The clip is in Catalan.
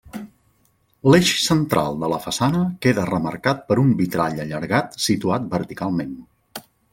L'eix central de la façana queda remarcat per un vitrall allargat situat verticalment.